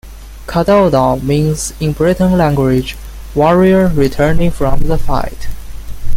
Cadoudal means in Breton language "warrior returning from the fight".